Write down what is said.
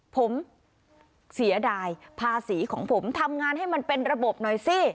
ผมเสียดายภาษีของผมทำงานให้มันเป็นระบบหน่อยสิ